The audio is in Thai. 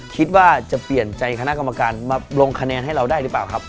คิดว่าจะเปลี่ยนใจคณะกรรมการมาลงคะแนนให้เราได้หรือเปล่าครับ